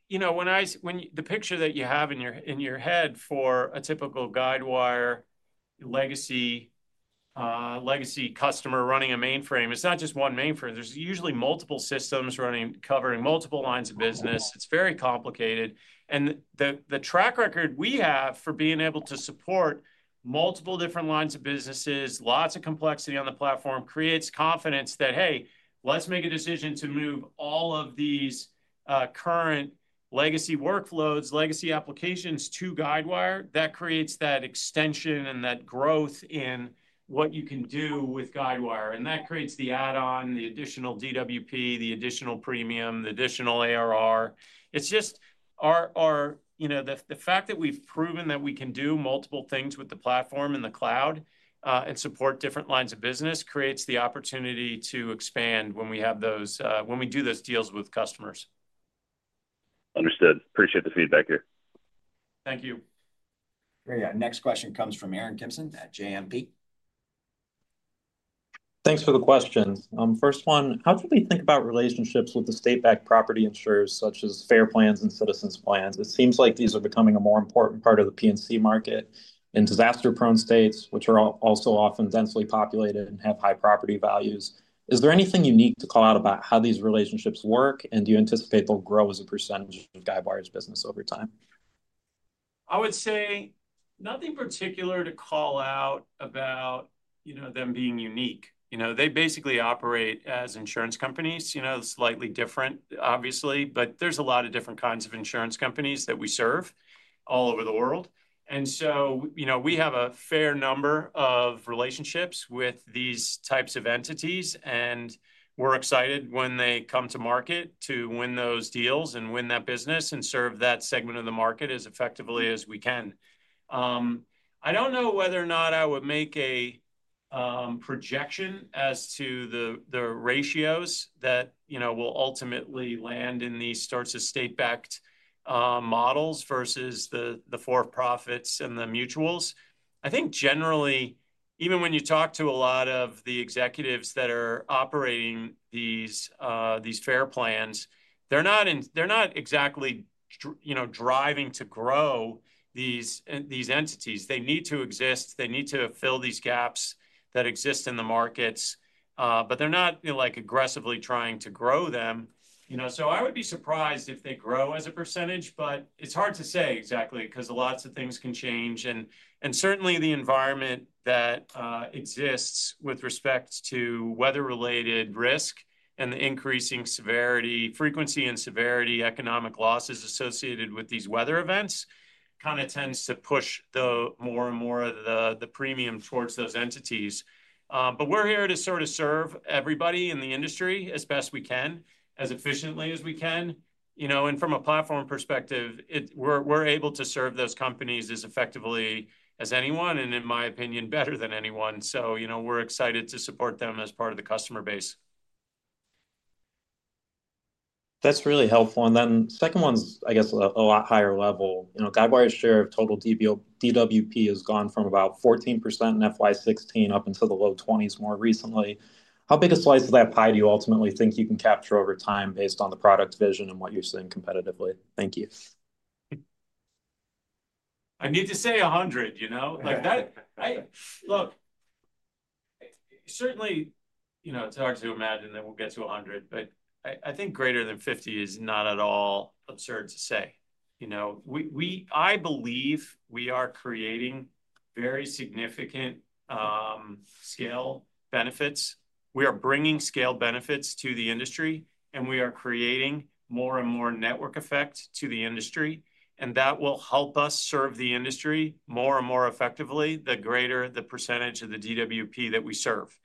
the picture that you have in your head for a typical Guidewire legacy customer running a mainframe, it's not just one mainframe. There's usually multiple systems covering multiple lines of business. It's very complicated. And the track record we have for being able to support multiple different lines of businesses, lots of complexity on the platform, creates confidence that, "Hey, let's make a decision to move all of these current legacy workloads, legacy applications to Guidewire." That creates that extension and that growth in what you can do with Guidewire. And that creates the add-on, the additional DWP, the additional premium, the additional ARR. It's just the fact that we've proven that we can do multiple things with the platform and the cloud and support different lines of business creates the opportunity to expand when we do those deals with customers. Understood. Appreciate the feedback here. Thank you. Great. Next question comes from Aaron Kimson at JMP. Thanks for the question. First one, how do we think about relationships with the state-backed property insurers such as FAIR Plans and Citizens plans? It seems like these are becoming a more important part of the P&C market in disaster-prone states, which are also often densely populated and have high property values. Is there anything unique to call out about how these relationships work? And do you anticipate they'll grow as a percentage of Guidewire's business over time? I would say nothing particular to call out about them being unique. They basically operate as insurance companies. Slightly different, obviously. But there's a lot of different kinds of insurance companies that we serve all over the world. And so we have a fair number of relationships with these types of entities. And we're excited when they come to market to win those deals and win that business and serve that segment of the market as effectively as we can. I don't know whether or not I would make a projection as to the ratios that will ultimately land in these sorts of state-backed models versus the for-profits and the mutuals. I think generally, even when you talk to a lot of the executives that are operating these FAIR Plans, they're not exactly driving to grow these entities. They need to exist. They need to fill these gaps that exist in the markets, but they're not aggressively trying to grow them. So I would be surprised if they grow as a percentage. But it's hard to say exactly because lots of things can change. And certainly, the environment that exists with respect to weather-related risk and the increasing frequency and severity of economic losses associated with these weather events kind of tends to push more and more of the premium towards those entities. But we're here to sort of serve everybody in the industry as best we can, as efficiently as we can. And from a platform perspective, we're able to serve those companies as effectively as anyone and, in my opinion, better than anyone. So we're excited to support them as part of the customer base. That's really helpful. And then the second one's, I guess, a lot higher level. Guidewire's share of total DWP has gone from about 14% in FY2016 up into the low 20s more recently. How big a slice does that pie do you ultimately think you can capture over time based on the product vision and what you're seeing competitively? Thank you. I need to say 100. Look, certainly, it's hard to imagine that we'll get to 100. But I think greater than 50 is not at all absurd to say. I believe we are creating very significant scale benefits. We are bringing scale benefits to the industry. And we are creating more and more network effect to the industry. And that will help us serve the industry more and more effectively the greater the percentage of the DWP that we serve.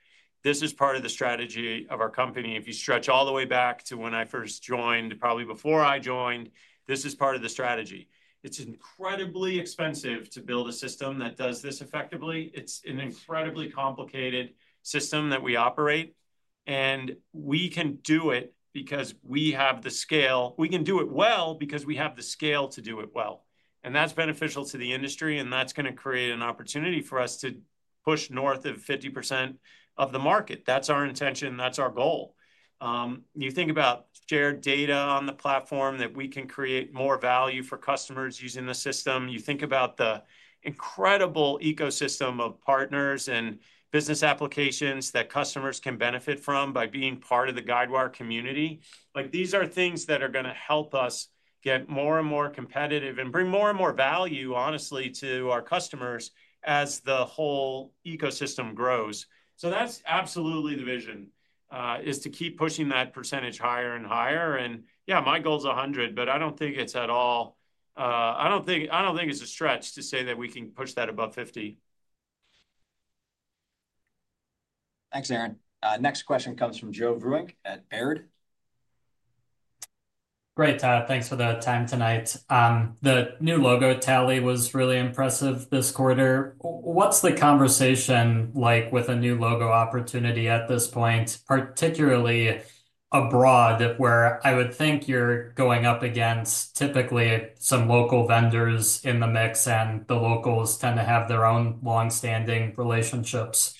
This is part of the strategy of our company. If you stretch all the way back to when I first joined, probably before I joined, this is part of the strategy. It's incredibly expensive to build a system that does this effectively. It's an incredibly complicated system that we operate. And we can do it because we have the scale. We can do it well because we have the scale to do it well. And that's beneficial to the industry. And that's going to create an opportunity for us to push north of 50% of the market. That's our intention. That's our goal. You think about shared data on the platform that we can create more value for customers using the system. You think about the incredible ecosystem of partners and business applications that customers can benefit from by being part of the Guidewire community. These are things that are going to help us get more and more competitive and bring more and more value, honestly, to our customers as the whole ecosystem grows. So that's absolutely the vision, is to keep pushing that percentage higher and higher. And yeah, my goal is 100%. But I don't think it's a stretch to say that we can push that above 50. Thanks, Aaron. Next question comes from Joe Vruwink at Baird. Great. Thanks for the time tonight. The new logo tally was really impressive this quarter. What's the conversation like with a new logo opportunity at this point, particularly abroad, where I would think you're going up against typically some local vendors in the mix, and the locals tend to have their own long-standing relationships?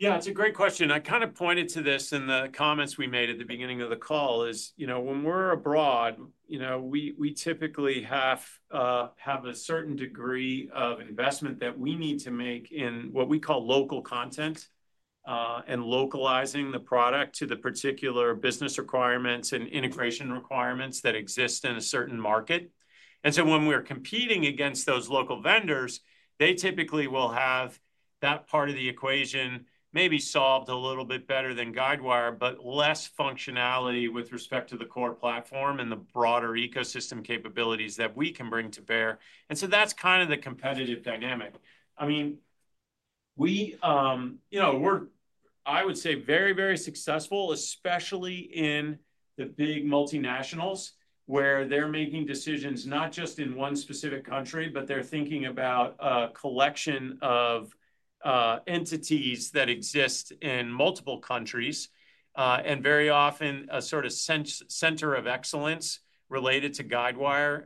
Yeah. It's a great question. I kind of pointed to this in the comments we made at the beginning of the call. When we're abroad, we typically have a certain degree of investment that we need to make in what we call local content and localizing the product to the particular business requirements and integration requirements that exist in a certain market. And so when we're competing against those local vendors, they typically will have that part of the equation maybe solved a little bit better than Guidewire, but less functionality with respect to the core platform and the broader ecosystem capabilities that we can bring to bear. And so that's kind of the competitive dynamic. I mean, we're, I would say, very, very successful, especially in the big multinationals where they're making decisions not just in one specific country, but they're thinking about a collection of entities that exist in multiple countries. And very often, a sort of center of excellence related to Guidewire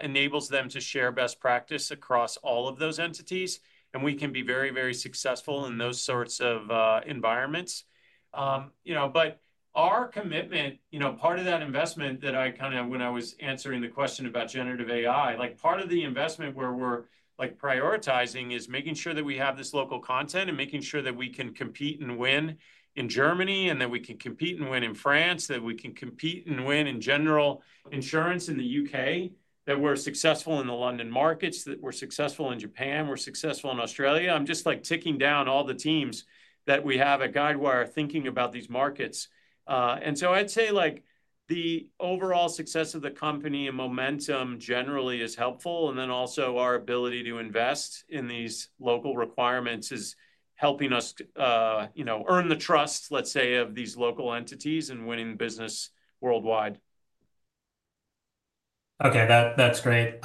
enables them to share best practice across all of those entities. And we can be very, very successful in those sorts of environments. But our commitment, part of that investment that I kind of when I was answering the question about generative AI, part of the investment where we're prioritizing is making sure that we have this local content and making sure that we can compete and win in Germany, and that we can compete and win in France, that we can compete and win in general insurance in the U.K., that we're successful in the London Market, that we're successful in Japan, we're successful in Australia. I'm just ticking down all the teams that we have at Guidewire thinking about these markets. And so I'd say the overall success of the company and momentum generally is helpful. And then also our ability to invest in these local requirements is helping us earn the trust, let's say, of these local entities and winning business worldwide. Okay. That's great.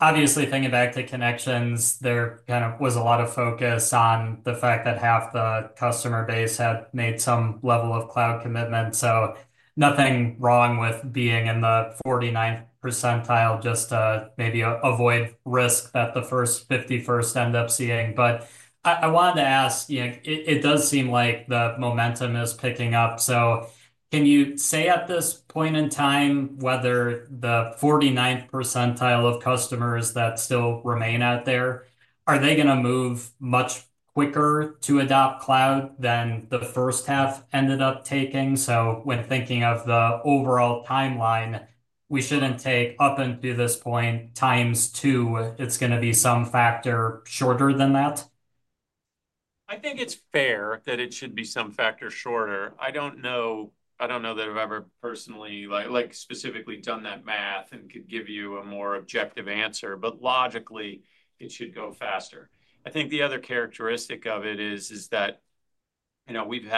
Obviously, thinking back to Connections, there kind of was a lot of focus on the fact that half the customer base had made some level of cloud commitment. So nothing wrong with being in the 49th percentile just to maybe avoid risk that the first 50% end up seeing. But I wanted to ask, it does seem like the momentum is picking up. So can you say at this point in time whether the 49th percentile of customers that still remain out there, are they going to move much quicker to adopt cloud than the first half ended up taking? So when thinking of the overall timeline, we shouldn't take up until this point times two. It's going to be some factor shorter than that? I think it's fair that it should be some factor shorter. I don't know that I've ever personally specifically done that math and could give you a more objective answer. But logically, it should go faster. I think the other characteristic of it is that we've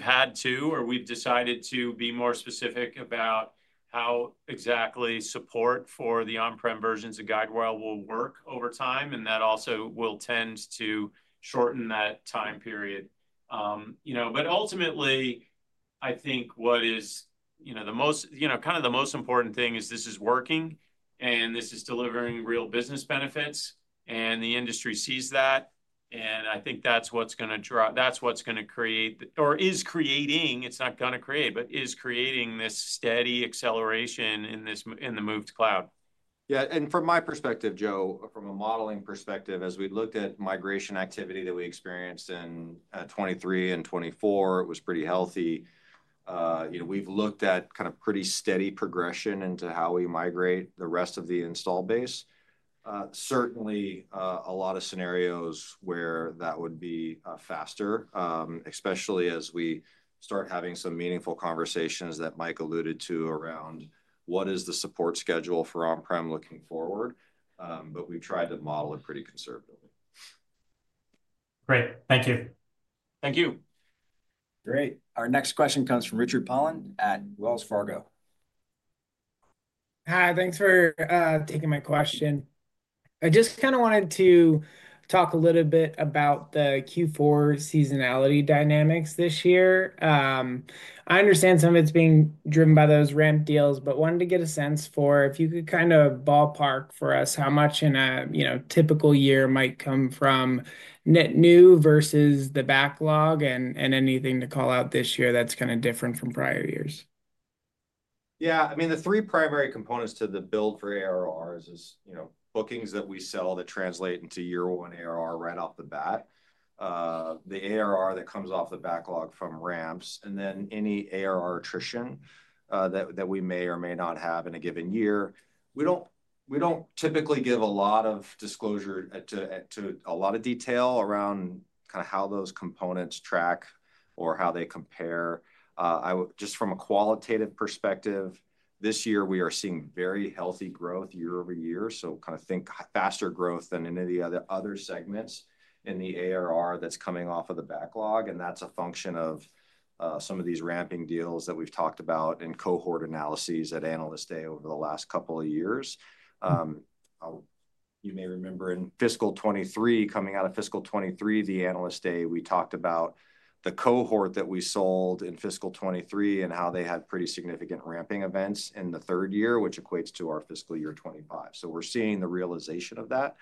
had to or we've decided to be more specific about how exactly support for the on-prem versions of Guidewire will work over time. And that also will tend to shorten that time period. But ultimately, I think what is kind of the most important thing is this is working. And this is delivering real business benefits. And the industry sees that. And I think that's what's going to create or is creating. It's not going to create, but is creating this steady acceleration in the move to cloud. Yeah. And from my perspective, Joe, from a modeling perspective, as we looked at migration activity that we experienced in 2023 and 2024, it was pretty healthy. We've looked at kind of pretty steady progression into how we migrate the rest of the installed base. Certainly, a lot of scenarios where that would be faster, especially as we start having some meaningful conversations that Mike alluded to around what is the support schedule for on-prem looking forward. But we've tried to model it pretty conservatively. Great. Thank you. Thank you. Great. Our next question comes from Richard Poland at Wells Fargo. Hi. Thanks for taking my question. I just kind of wanted to talk a little bit about the Q4 seasonality dynamics this year. I understand some of it's being driven by those ramp deals, but wanted to get a sense for if you could kind of ballpark for us how much in a typical year might come from net new versus the backlog and anything to call out this year that's kind of different from prior years. Yeah. I mean, the three primary components to the build for ARRs is bookings that we sell that translate into year one ARR right off the bat, the ARR that comes off the backlog from ramps, and then any ARR attrition that we may or may not have in a given year. We don't typically give a lot of disclosure to a lot of detail around kind of how those components track or how they compare. Just from a qualitative perspective, this year, we are seeing very healthy growth year-over-year. So kind of think faster growth than any of the other segments in the ARR that's coming off of the backlog. And that's a function of some of these ramping deals that we've talked about and cohort analyses at Analyst Day over the last couple of years. You may remember in fiscal 2023, coming out of fiscal 2023, the Analyst Day, we talked about the cohort that we sold in fiscal 2023 and how they had pretty significant ramping events in the third year, which equates to our fiscal year 2025. So we're seeing the realization of that.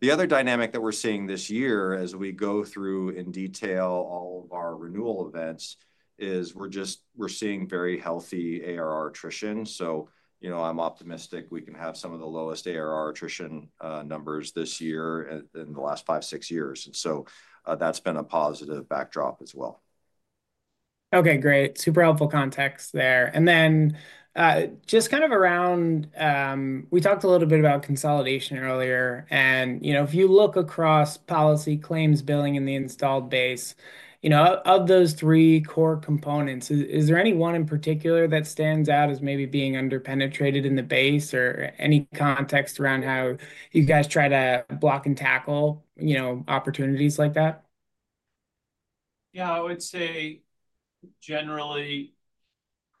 The other dynamic that we're seeing this year as we go through in detail all of our renewal events is we're seeing very healthy ARR attrition. So I'm optimistic we can have some of the lowest ARR attrition numbers this year in the last five, six years. And so that's been a positive backdrop as well. Okay. Great. Super helpful context there, and then just kind of around we talked a little bit about consolidation earlier, and if you look across policy claims billing in the installed base, of those three core components, is there any one in particular that stands out as maybe being underpenetrated in the base or any context around how you guys try to block and tackle opportunities like that? Yeah. I would say generally,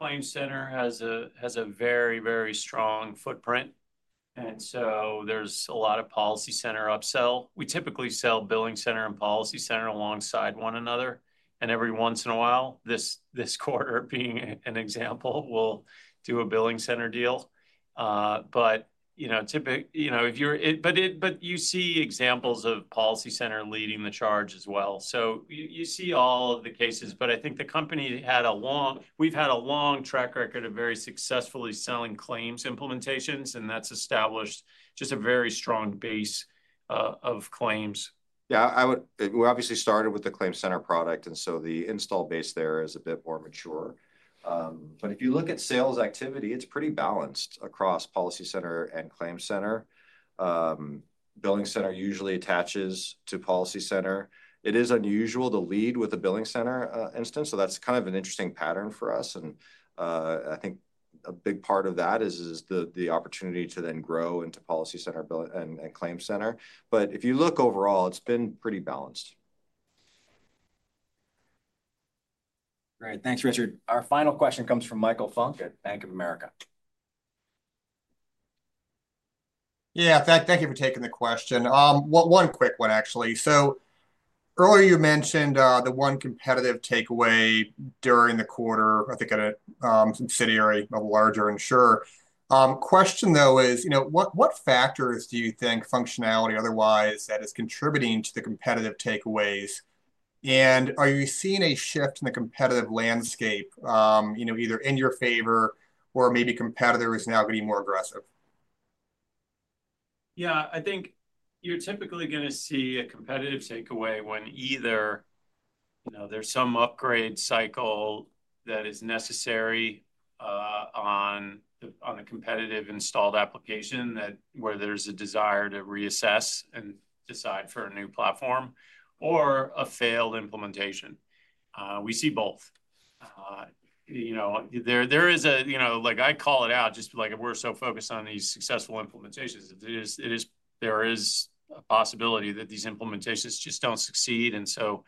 ClaimCenter has a very, very strong footprint. And so there's a lot of PolicyCenter upsell. We typically sell BillingCenter and PolicyCenter alongside one another. And every once in a while, this quarter being an example, we'll do a BillingCenter deal. But you see examples of PolicyCenter leading the charge as well. So you see all of the cases. But I think we've had a long track record of very successfully selling claims implementations. And that's established just a very strong base of claims. Yeah. We obviously started with the ClaimCenter product. And so the install base there is a bit more mature. But if you look at sales activity, it's pretty balanced across PolicyCenter and ClaimCenter. BillingCenter usually attaches to PolicyCenter. It is unusual to lead with a BillingCenter instance. So that's kind of an interesting pattern for us. And I think a big part of that is the opportunity to then grow into PolicyCenter and ClaimCenter. But if you look overall, it's been pretty balanced. Great. Thanks, Richard. Our final question comes from Michael Funk at Bank of America. Yeah. Thank you for taking the question. One quick one, actually. So earlier, you mentioned the one competitive takeaway during the quarter, I think, at a subsidiary of a larger insurer. Question, though, is what factors do you think functionality otherwise that is contributing to the competitive takeaways? And are you seeing a shift in the competitive landscape either in your favor or maybe competitors now getting more aggressive? Yeah. I think you're typically going to see a competitive takeaway when either there's some upgrade cycle that is necessary on the competitive installed application where there's a desire to reassess and decide for a new platform or a failed implementation. We see both. There is a like I call it out just like we're so focused on these successful implementations. There is a possibility that these implementations just don't succeed. And so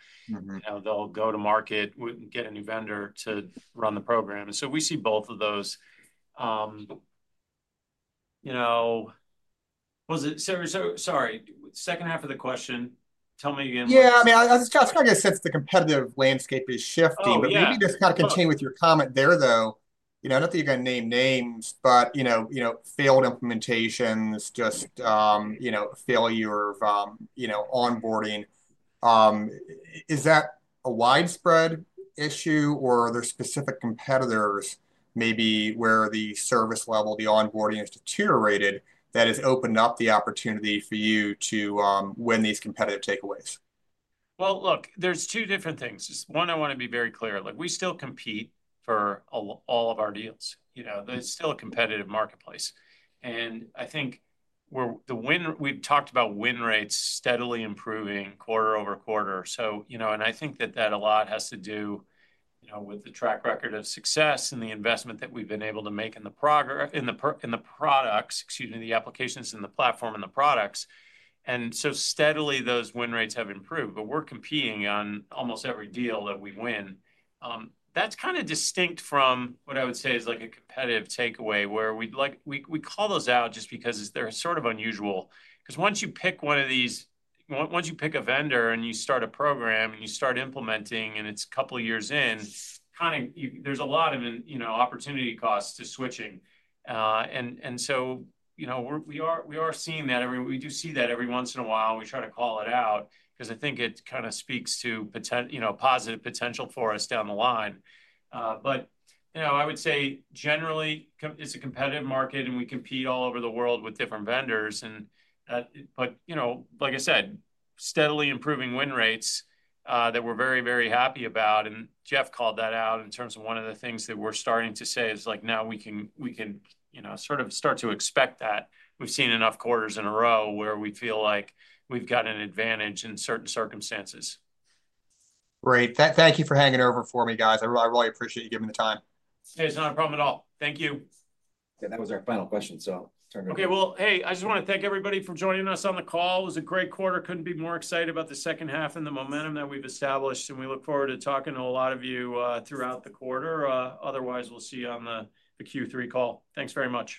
they'll go to market, get a new vendor to run the program. And so we see both of those. Sorry. Second half of the question. Tell me again. Yeah. I mean, I was just trying to get a sense of the competitive landscape is shifting. But maybe just kind of continuing with your comment there, though, not that you're going to name names, but failed implementations, just failure of onboarding. Is that a widespread issue, or are there specific competitors maybe where the service level, the onboarding has deteriorated that has opened up the opportunity for you to win these competitive takeaways? Look, there's two different things. One, I want to be very clear. We still compete for all of our deals. There's still a competitive marketplace. I think we've talked about win rates steadily improving quarter-over-quarter. I think that a lot has to do with the track record of success and the investment that we've been able to make in the products, excuse me, the applications and the platform and the products. Steadily, those win rates have improved. We're competing on almost every deal that we win. That's kind of distinct from what I would say is like a competitive takeaway where we call those out just because they're sort of unusual. Because once you pick one of these, once you pick a vendor and you start a program and you start implementing and it's a couple of years in, kind of there's a lot of opportunity costs to switching. And so we are seeing that. We do see that every once in a while. We try to call it out because I think it kind of speaks to positive potential for us down the line. But I would say generally, it's a competitive market. And we compete all over the world with different vendors. But like I said, steadily improving win rates that we're very, very happy about. And Jeff called that out in terms of one of the things that we're starting to say is like now we can sort of start to expect that. We've seen enough quarters in a row where we feel like we've got an advantage in certain circumstances. Great. Thank you for hanging over for me, guys. I really appreciate you giving the time. Hey, it's not a problem at all. Thank you. Yeah. That was our final question. So turn it over. Okay. Well, hey, I just want to thank everybody for joining us on the call. It was a great quarter. Couldn't be more excited about the second half and the momentum that we've established. And we look forward to talking to a lot of you throughout the quarter. Otherwise, we'll see you on the Q3 call. Thanks very much.